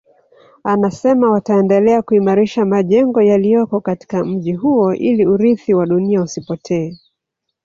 Anasema wataendelea kuimarisha majengo yaliyoko katika mji huo ili urithi wa dunia usipotee